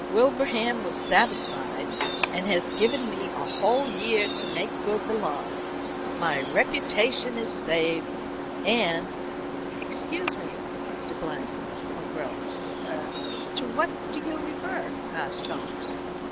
Wilbraham was satisfied, and has given me a whole year to make good the loss. My reputation is saved, and " "Excuse me, Mr. Blank or Grouch er to what do you refer?" asked Holmes.